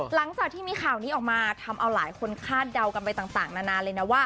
หลังจากที่มีข่าวนี้ออกมาทำเอาหลายคนคาดเดากันไปต่างนานาเลยนะว่า